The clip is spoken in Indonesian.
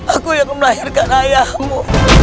aku yang melahirkan ayahmu